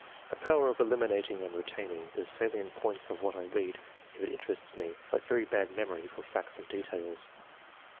A power of eliminating and retaining the salient points of what I read, if it interests me, but very bad memory for facts and details."